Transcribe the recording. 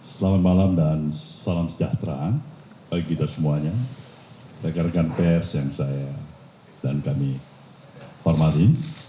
selamat malam dan salam sejahtera bagi kita semuanya rekan rekan pers yang saya dan kami hormati